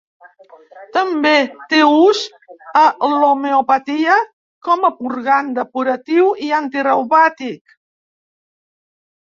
També té ús a l'homeopatia com a purgant, depuratiu i antireumàtic.